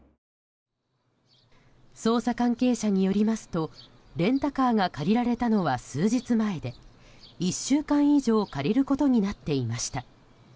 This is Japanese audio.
捜査関係者によりますとレンタカーが借りられたのは数日前で１週間以上借りることになっていました。